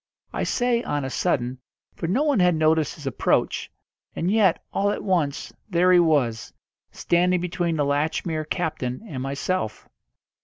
I say on a sudden, for no one had noticed his approach, and yet, all at once, there he was, standing between the Latchmere captain and myself.